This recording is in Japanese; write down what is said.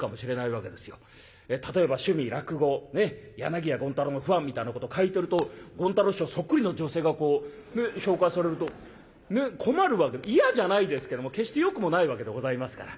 例えば「趣味落語柳家権太楼のファン」みたいなことを書いてると権太楼師匠そっくりの女性がこうね紹介されると困るわけ嫌じゃないですけども決してよくもないわけでございますから。